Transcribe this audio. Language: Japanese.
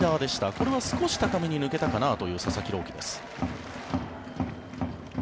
これは少し高めに抜けたかなという佐々木朗希です。